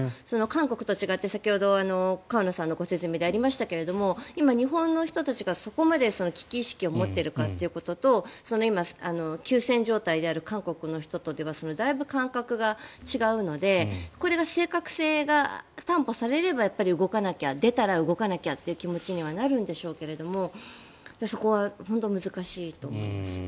韓国と違って先ほど、河野さんのご説明でありましたが今、日本の人たちがそこまで危機意識を持っているかっていうことと今、休戦状態である韓国の人とではだいぶ感覚が違うのでこれが正確性が担保されれば動かなきゃ出たら動かなきゃって気持ちになるんでしょうけどそこは本当に難しいと思います。